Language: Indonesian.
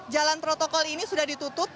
jalan protokol ini sudah ditutup